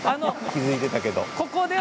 気付いていたけどね。